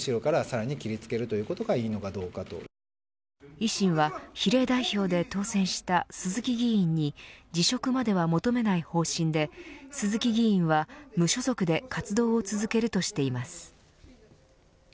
維新は、比例代表で当選した鈴木議員に辞職までは求めない方針で鈴木議員は無所属で活動を続けるとしています。